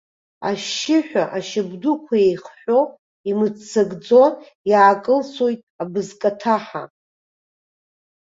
Ашьшьыҳәа, ашьап дуқәа еихҳәо, имыццакӡо иаакылсуеит абызкаҭаҳа.